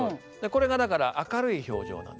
これがだから明るい表情なんですね。